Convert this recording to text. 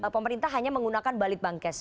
pemerintah hanya menggunakan balit bankes